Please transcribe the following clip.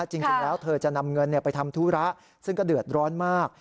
จริงแล้วเธอจะนำเงินไปทำธุระซึ่งก็เดือดร้อนมาก